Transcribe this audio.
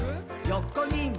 よこにも。